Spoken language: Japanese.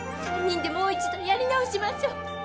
３人でもう一度やり直しましょ。